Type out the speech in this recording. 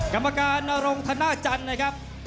กรรมการนรงธนาจันทร์นะครับ